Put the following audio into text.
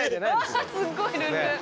すっごいルンルン。